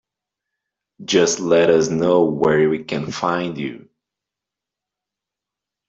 Just let us know where we can find you.